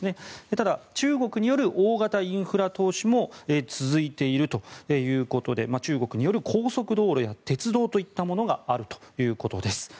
ただ、中国による大型インフラ投資も続いているということで中国による高速道路や鉄道といったものがあるということです。